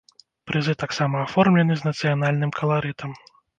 Прызы таксама аформлены з нацыянальным каларытам.